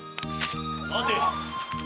待て！